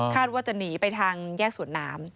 ว่าจะหนีไปทางแยกสวนน้ำ